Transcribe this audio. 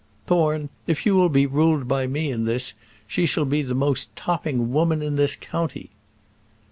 "Thorne, if you will be ruled by me in this, she shall be the most topping woman in this county."